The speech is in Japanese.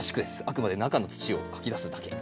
あくまで中の土をかき出すだけ。